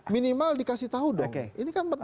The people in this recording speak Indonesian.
minimal dikasih tahu dong